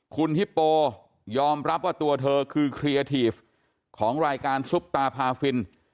คุณฮิปโปยอมรับว่าตัวเธอคือเคลียร์ทีฟของรายการซุปตาพาฟิน